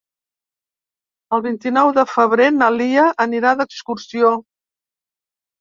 El vint-i-nou de febrer na Lia anirà d'excursió.